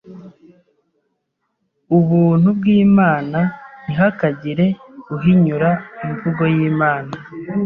ubuntu bw’Imana, ntihakagire uhinyura imvugo y’Imana